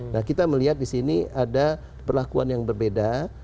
nah kita melihat di sini ada perlakuan yang berbeda